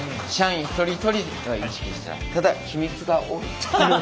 ただ秘密が多い。